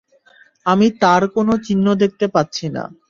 আমি তার কোন চিহ্ন দেখতে পাচ্ছি না।